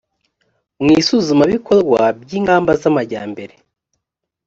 mu isuzumabikorwa by ingamba z amajyambere